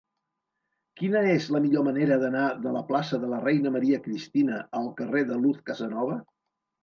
Quina és la millor manera d'anar de la plaça de la Reina Maria Cristina al carrer de Luz Casanova?